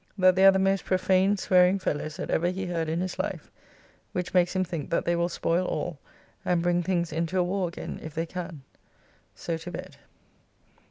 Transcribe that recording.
That they are the most prophane swearing fellows that ever he heard in his life, which makes him think that they will spoil all, and bring things into a warr again if they can. So to bed.